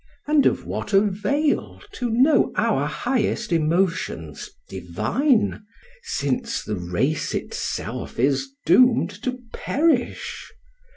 And of what avail to know our highest emotions divine, — since the race itself is doomed to perish